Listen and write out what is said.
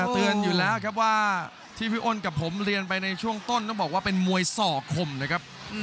เตือนอยู่แล้วครับว่าที่พี่อ้นกับผมเรียนไปในช่วงต้นต้องบอกว่าเป็นมวยสอกคมนะครับ